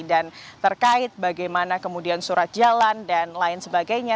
dan terkait bagaimana kemudian surat jalan dan lain sebagainya